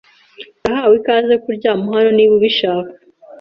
Urahawe ikaze kuryama hano niba ubishaka.